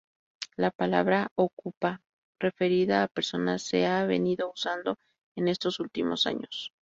La palabra "okupa" referida a personas se ha venido usando en estos últimos años.